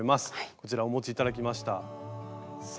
こちらお持ち頂きました作品の数々。